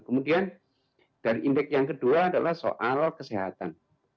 kemudian dari indeks yang kedua adalah soal kesehatan